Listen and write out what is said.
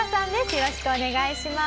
よろしくお願いします。